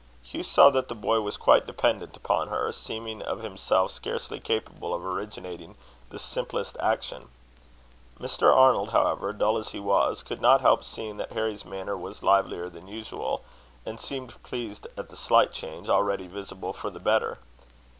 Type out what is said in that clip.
Hugh saw that the boy was quite dependent upon her, seeming of himself scarcely capable of originating the simplest action. Mr. Arnold, however, dull as he was, could not help seeing that Harry's manner was livelier than usual, and seemed pleased at the slight change already visible for the better.